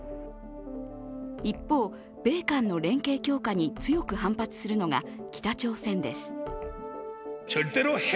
一方、米韓の連携強化に強く反発するのが北朝鮮です。